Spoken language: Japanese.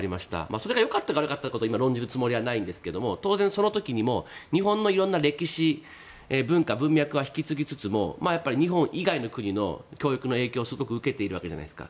それが良かったか悪かったかを今論じるつもりはないんですけれども当然その時にも日本のいろんな歴史、文化文脈は引き継ぎつつも日本以外の国の教育の影響をすごく受けているわけじゃないですか。